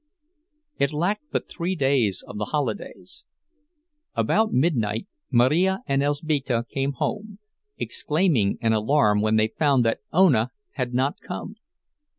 It lacked but three days of the holidays. About midnight Marija and Elzbieta came home, exclaiming in alarm when they found that Ona had not come.